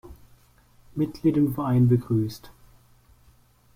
Mitglied im Verein begrüßt.